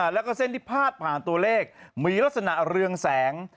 แล้วก็เส้นที่พาดผ่านตัวเลขมีลักษณะเรืองแสง